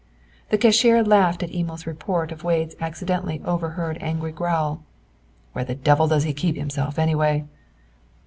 The cashier laughed at Emil's report of Wade's accidentally overheard angry growl, "Where the devil does he keep himself, any way?"